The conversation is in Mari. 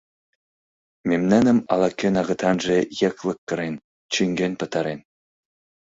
— Мемнаным ала-кӧн агытанже йыклык кырен, чӱҥген пытарен.